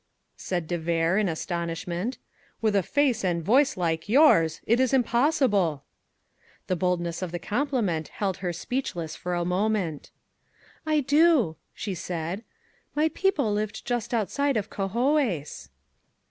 said de Vere in astonishment. "With a face and voice like yours! It is impossible!" The boldness of the compliment held her speechless for a moment. "I do," she said; "my people lived just outside of Cohoes."